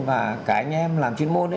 và cả anh em làm chuyên môn